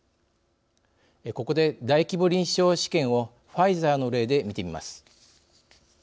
ここで、大規模臨床試験をファイザーの例で見てみます。